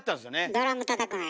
ドラムたたくのよ。